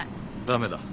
ダメだ。